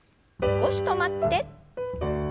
少し止まって。